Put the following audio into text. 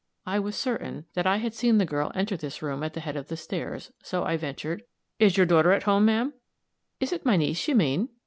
I was certain that I had seen the girl enter this room at the head of the stairs, so I ventured: "Is your daughter at home, ma'am?" "Is it my niece you mean?"